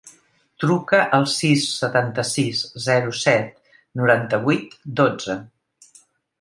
Truca al sis, setanta-sis, zero, set, noranta-vuit, dotze.